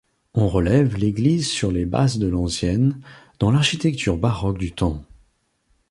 On relève l’église sur les bases de l’ancienne, dans l’architecture baroque du temps.